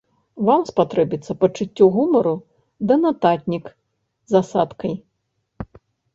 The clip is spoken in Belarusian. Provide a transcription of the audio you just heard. Вам спатрэбіцца пачуццё гумару ды нататнік з асадкай!